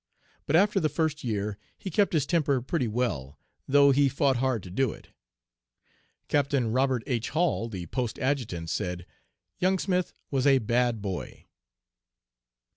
But after the first year he kept his temper pretty well, though he fought hard to do it.' "Captain Robert H. Hall, the post adjutant, said: 'Young Smith was a bad boy.'